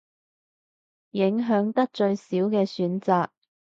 影響得最少嘅選擇